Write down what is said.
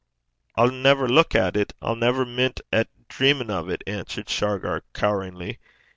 'I'll never luik at it; I'll never mint at dreamin' o' 't,' answered Shargar, coweringly.